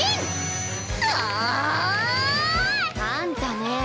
あんたね